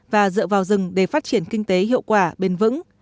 và dựa vào rừng để phát triển kinh tế hiệu quả bền vững